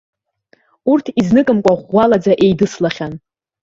Урҭ изныкымкәа ӷәӷәалаӡа еидыслахьан.